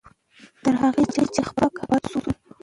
تر هغه چې خپلواک او اباد شو.